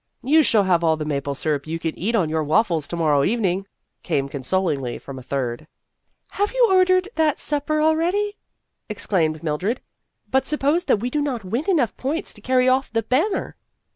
" You shall have all the maple syrup you can eat on your waffles to morrow evening," came consolingly from a third. " Have you ordered that supper al ready?" exclaimed Mildred; "but sup pose that we do not win enough points to carry off the banner